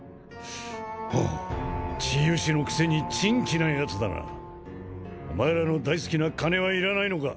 ほう治癒士のくせに珍奇なヤツだなお前らの大好きな金はいらないのか？